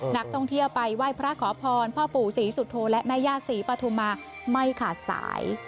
นักท่องเที่ยวไปไหว้พระขอพรพ่อปู่ศรีสุโธและแม่ย่าศรีปฐุมาไม่ขาดสาย